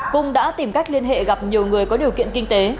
cung đã tìm cách liên hệ gặp nhiều người có điều kiện kinh tế